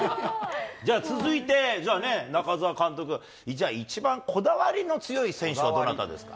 じゃあ、続いて、じゃあね、中澤監督、じゃあ一番こだわりの強い選手はどなたですか。